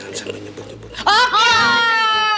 pokoknya jangan sampai nyebut nyebut